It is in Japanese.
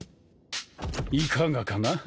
いかがかな？